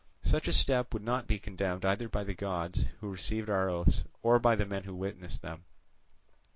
Such a step would not be condemned either by the Gods who received our oaths, or by the men who witnessed them.